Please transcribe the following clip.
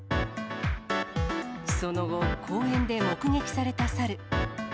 その後、公園で目撃されたサル。